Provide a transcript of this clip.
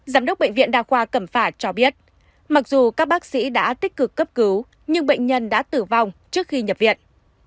giám đốc bệnh viện đa khoa cẩm phả cho biết mặc dù các bác sĩ đã tích cực cấp cứu nhưng bệnh nhân đã tử vong trước khi nhập viện